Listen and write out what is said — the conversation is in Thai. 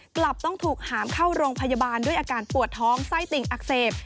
กลับต้องถูกหามเข้าโรงพยาบาลด้วยอาการปวดท้องไส้ติ่งอักเสบ